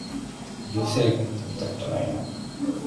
流星群ってみたことないな